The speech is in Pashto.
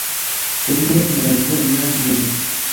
قوم یې مبارزه ویاړ بولي